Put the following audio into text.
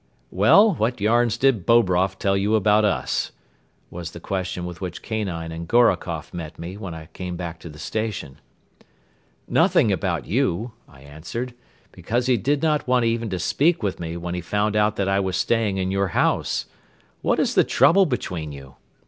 "Well, what yarns did Bobroff tell you about us?" was the question with which Kanine and Gorokoff met me when I came back to the station. "Nothing about you," I answered, "because he did not even want to speak with me when he found out that I was staying in your house. What is the trouble between you?"